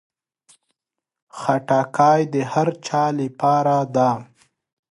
خټکی د هر چا لپاره ده.